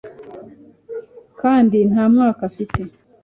kandi nta mwaka afite